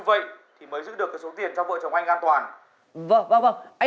ai mà biết được vợ già của anh ở đâu mà chỉ